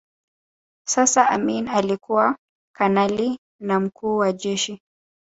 Sasa Amin alikuwa kanali na Mkuu wa Jeshi